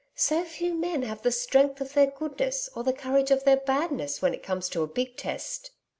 So few men have the strength of their goodness or the courage of their badness, when it comes to a big test.'